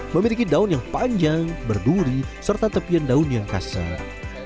memiliki daun yang panjang berduri serta tepian daun yang kasar